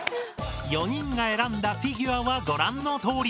４人が選んだフィギュアはご覧のとおり。